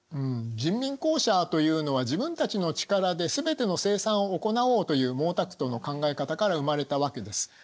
人民公社というのは自分たちの力で全ての生産を行おうという毛沢東の考え方から生まれたわけです。